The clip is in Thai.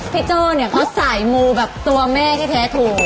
พี่เจ้าเขาใส่มูตัวแม่แท้ถูก